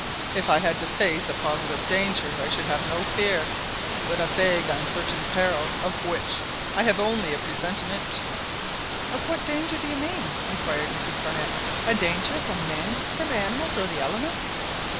If I had to face a positive danger, I should have no fear; but a vague uncertain peril of which I have only a presentiment " "What danger do you mean?" inquired Mrs Barnett; "a danger from men, from animals, or the elements?"